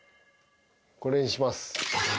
これにします。